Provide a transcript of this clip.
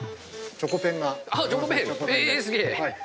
チョコペン！